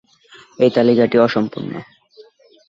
এই তালিকাটি অসম্পূর্ণ